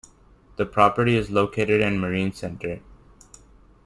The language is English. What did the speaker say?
The property is located in Marina Centre.